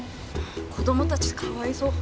子供たちかわいそう。